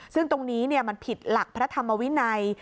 ซึ่งตรงนี้มันผิดหลักพระธรรมวินัย